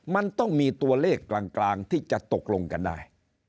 มันต้องมีตัวเลขกลางที่จะตกลงกันได้